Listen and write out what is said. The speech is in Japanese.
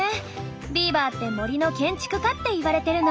ビーバーって「森の建築家」って言われてるの。